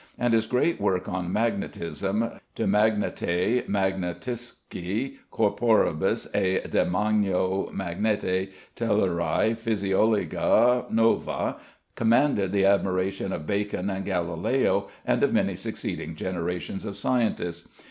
and his great work on magnetism, "De Magnete Magneticisque Corporibus et de Magno Magnete Telluræ, Physiologia Nova," commanded the admiration of Bacon and Galileo, and of many succeeding generations of scientists.